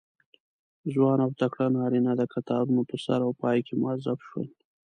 ځوان او تکړه نارینه د کتارونو په سر او پای کې موظف شول.